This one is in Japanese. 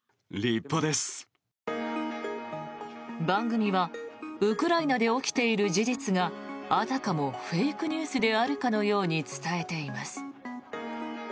番組はウクライナで起きている事実があたかもフェイクニュースであるかのように伝えています。